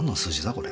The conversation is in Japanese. これ。